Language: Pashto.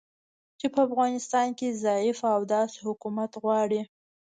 چې په افغانستان کې ضعیفه او داسې حکومت غواړي